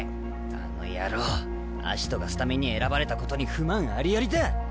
あの野郎アシトがスタメンに選ばれたことに不満ありありだ。